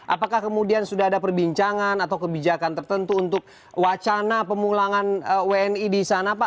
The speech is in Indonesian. apakah kemudian sudah ada perbincangan atau kebijakan tertentu untuk wacana pemulangan wni di sana pak